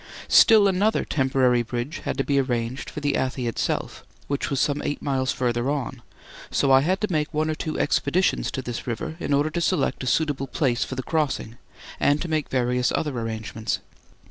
Still another temporary bridge had to be arranged for the Athi itself, which was some eight miles further on, so I had to make one or two expeditions to this river in order to select a suitable place for the crossing and to make various other arrangements.